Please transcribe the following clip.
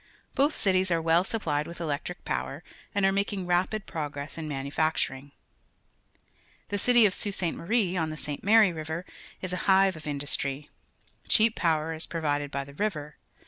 Both cities . are well supplied with electric power and are making ra pid progress in manufacturing. The city of Sauli S(e. Marie, on the St. Mary River, is a hive of industry. Cheap power is provided by the river.